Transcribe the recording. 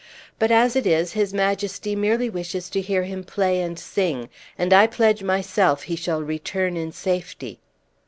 But as it is, his majesty merely wishes to hear him play and sing, and I pledge myself he shall return in safety."